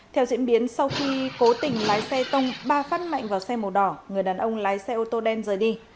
theo diễn biến sau khi cố tình lái xe tông ba phát mạnh vào xe màu đỏ người đàn ông lái xe ô tô đen rời đi